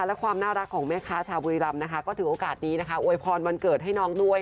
สังภาพนะว่าเช่นที่น้องพูดถึงลูกชิ้นยืนกินเนี่ย